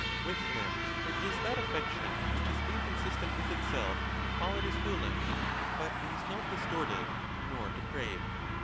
With them there is that affection which is incgn sistent with itself while it is foolish; but it is not distort ed, nor depraved.